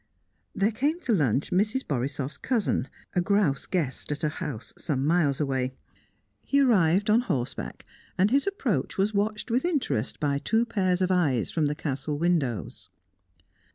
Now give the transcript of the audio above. There came to lunch Mrs. Borisoff's cousin, a grouse guest at a house some miles away. He arrived on horseback, and his approach was watched with interest by two pairs of eyes from the Castle windows.